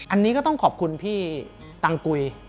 อันนี้ก็ต้องขอบคุณพี่ตังกุย